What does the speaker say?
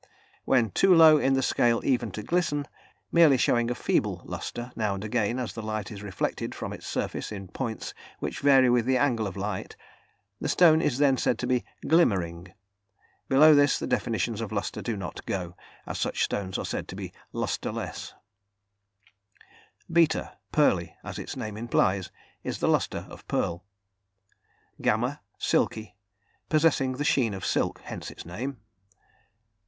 When too low in the scale even to glisten, merely showing a feeble lustre now and again as the light is reflected from its surface in points which vary with the angle of light, the stone is then said to be glimmering. Below this, the definitions of lustre do not go, as such stones are said to be lustreless. ([beta]) Pearly, as its name implies, is the lustre of a pearl. ([gamma]) Silky, possessing the sheen of silk, hence its name.